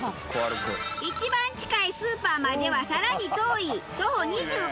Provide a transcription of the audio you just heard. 一番近いスーパーまではさらに遠い徒歩２５分。